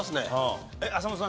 浅野さん